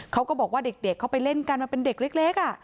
เขาก็บอกว่าเด็กเขาไปเล่นกันมันเป็นเด็กเล็ก